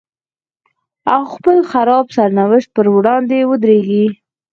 او خپل خراب سرنوشت په وړاندې ودرېږي.